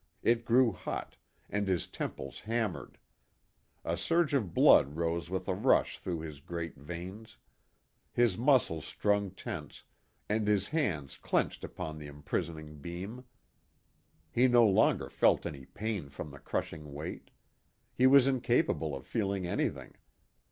It grew hot, and his temples hammered. A surge of blood rose with a rush through his great veins. His muscles strung tense, and his hands clenched upon the imprisoning beam. He no longer felt any pain from the crushing weight. He was incapable of feeling anything.